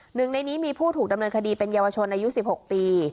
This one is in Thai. หนึ่งในนี้มีผู้ถูกดำเนินคดีเป็นเยาวชนอายุ๑๖ปี